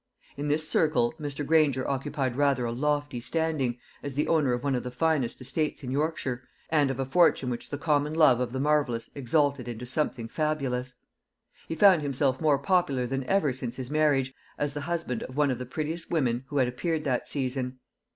In this circle Mr. Granger occupied rather a lofty standing, as the owner of one of the finest estates in Yorkshire, and of a fortune which the common love of the marvellous exalted into something fabulous. He found himself more popular than ever since his marriage, as the husband of one of the prettiest women who had appeared that season.